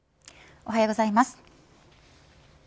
おはようございます。